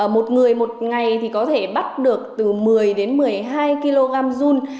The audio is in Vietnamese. một người một ngày thì có thể bắt được từ một mươi đến một mươi hai kg dùn